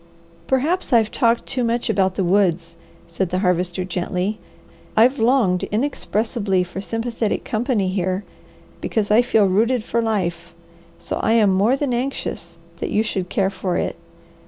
"Perhaps I've talked too much about the woods," said the Harvester gently. "I've longed inexpressibly for sympathetic company here, because I feel rooted for life, so I am more than anxious that you should care for it.